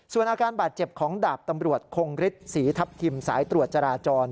ส่วนอาการบาดเจ็บของดาบตำรวจคงฤทธิศรีทัพทิมสายตรวจจราจร